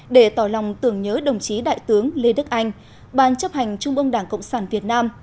để tỏ lòng tưởng nhớ đồng chí đại tướng lê đức anh ban chấp hành trung ương đảng cộng sản việt nam